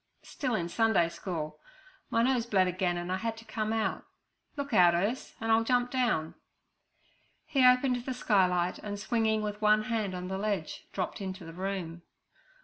'Still in Sunday school. My nose bled again an' I had to come out. Look out, Urse, an'I'll jump down.' He opened the skylight, and swinging with one hand on the ledge, dropped into the room.